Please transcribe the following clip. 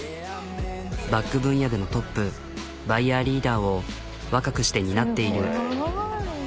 バッグ分野でのトップバイヤーリーダーを若くして担っている。